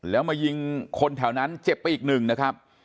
แล้วมายิงคนแถวนั้นเจ็บไปอีก๑